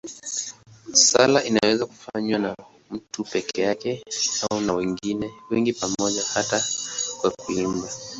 Sala inaweza kufanywa na mtu peke yake au na wengi pamoja, hata kwa kuimba.